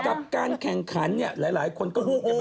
กับการแข่งขันหลายคนก็ฮู้